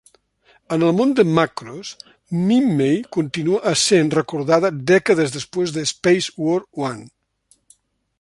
En el món de Macross, Minmay continua essent recordada dècades després de Space War I.